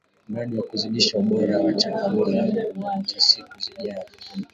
Mradi wa Kuzidisha Ubora wa Chakula cha Siku zijazo